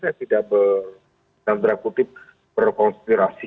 saya tidak berkontras berkonspirasi